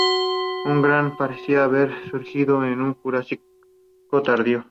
El grupo parecería haber surgido en el Jurásico Tardío.